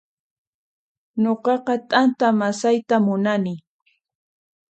Nuqaqa t'anta masaytan munani